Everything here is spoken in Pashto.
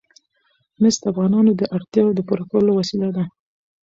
مس د افغانانو د اړتیاوو د پوره کولو وسیله ده.